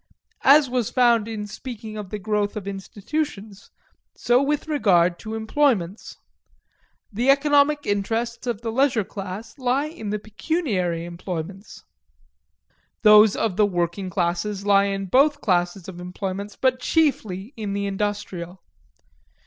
As was found in speaking of the growth of institutions, so with regard to employments. The economic interests of the leisure class lie in the pecuniary employments; those of the working classes lie in both classes of employments, but chiefly in the industrial.